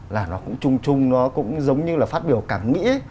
là nó cũng trung trung nó cũng giống như là phát biểu cảng mỹ